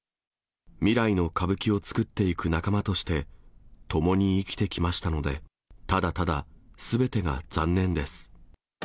未来の歌舞伎を作っていく仲間として、共に生きてきましたので、ただただ、すべてが残念です。